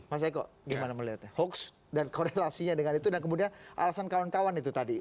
mas eko gimana melihatnya hoax dan korelasinya dengan itu dan kemudian alasan kawan kawan itu tadi